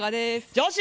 女子！